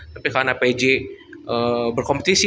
tapi karena pj berkompetisi